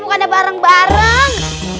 bukan ada bareng bareng